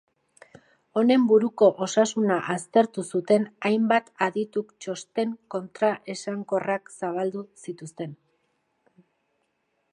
Honen buruko osasuna aztertu zuten hainbat adituk txosten kontraesankorrak zabaldu zituzten.